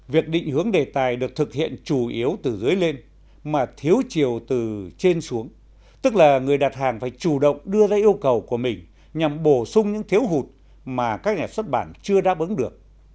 việc định hướng đề tài được thực hiện chủ yếu từ dưới lên mà thiếu chiều từ trên xuống tức là người đặt hàng phải chủ động đưa ra yêu cầu của mình nhằm bổ sung những thiếu hụt mà các nhà xuất bản chưa đáp ứng được